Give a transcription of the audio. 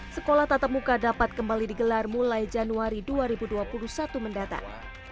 sekolah tatap muka dapat kembali digelar mulai januari dua ribu dua puluh satu mendatang